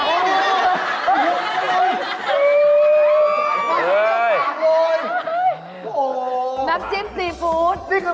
นี่คือพริกเขียวนะฮะ